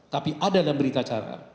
tapi ada dalam berita acara